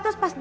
terus pas di